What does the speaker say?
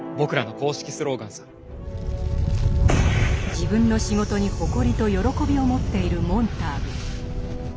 自分の仕事に誇りと喜びを持っているモンターグ。